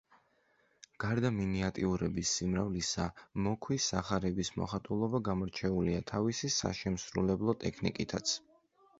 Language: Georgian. გარდა მინიატიურების სიმრავლისა, მოქვის სახარების მოხატულობა გამორჩეულია თავისი საშემსრულებლო ტექნიკითაც.